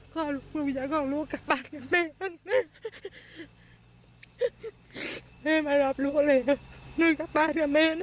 พ่อลูกมึงอยากของลูกกลับบ้านกับแม่